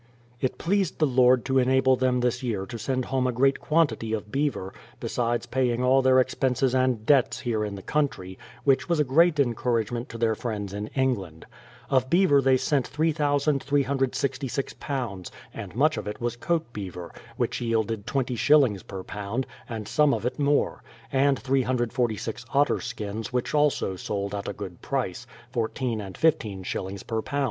It pleased the Lord to enable them this year to send home a great quantity of beaver, besides paying all their expenses and debts here in the country, which was a great encouragement to their friends in England. Of beaver they sent 3366 lbs., and much of it was coat beaver, which yielded twenty shillings per lb., and some of it more; and 346 otter skins which also sold at a good price — fourteen and fifteen shillings per lb.